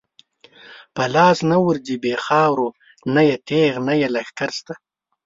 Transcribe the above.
په لاس نه ورځی بی خاورو، نه یی تیغ نه یی لښکر شته